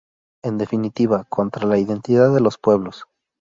En definitiva, contra la identidad de los pueblos.